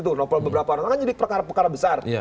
tuh nopel beberapa orang kan nyidik perkara perkara besar